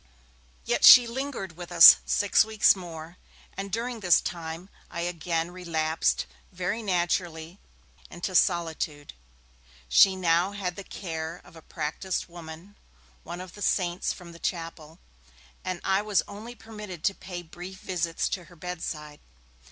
Yet she lingered with us six weeks more, and during this time I again relapsed, very naturally, into solitude. She now had the care of a practised woman, one of the 'saints' from the Chapel, and I was only permitted to pay brief visits to her bedside.